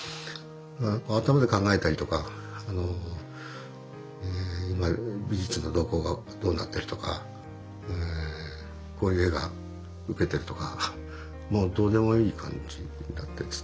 頭で考えたりとか今美術の動向がどうなってるとかこういう絵がウケてるとかもうどうでもいい感じになってですね。